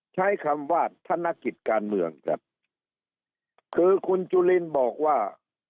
ใช้คำว่าธนกิจการเมืองครับคือคุณจุลินบอกว่า